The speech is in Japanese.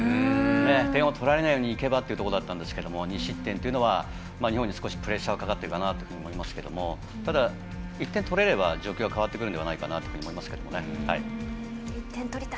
点を取られないようにいけばというところだったんですけども２失点は日本に少しプレッシャーがかかっていると思いますがただ、１点取れれば状況は変わってくるのではないかなと思いますけどね。